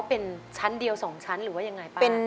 เป็นชั้นเดียว๒ชั้นหรือว่ายังไงป่ะ